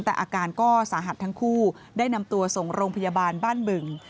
แต่อาการก็สาหัสทั้งคู่ได้นำตัวส่งโรงพยาบาลบ้านบึง